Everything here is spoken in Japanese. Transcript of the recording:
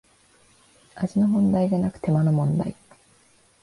味の問題じゃなく手間の問題